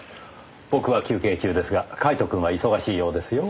僕は休憩中ですがカイトくんは忙しいようですよ。